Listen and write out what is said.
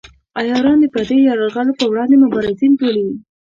عیاران د پردیو یرغلګرو پر وړاندې مبارزین بولي.